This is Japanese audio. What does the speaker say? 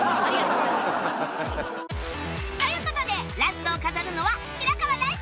という事でラストを飾るのは平川大輔さん